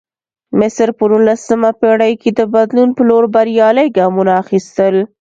مصر په نولسمه پېړۍ کې د بدلون په لور بریالي ګامونه اخیستل.